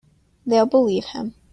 They'll believe him.